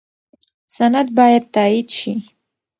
سند باید تایید شي.